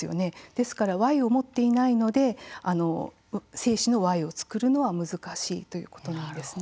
ですからＹを持っていないので精子のＹを作るのは難しいということなんですね。